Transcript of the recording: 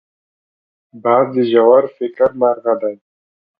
باز د ژور فکر مرغه دی